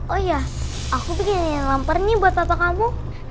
oh iya aku bikin yang lampar nih buat tata kamu